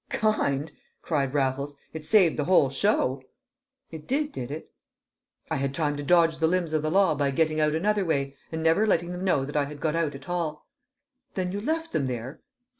"Kind!" cried Raffles. "It saved the whole show." "It did, did it?" "I had time to dodge the limbs of the law by getting out another way, and never letting them know that I had got out at all." "Then you left them there?"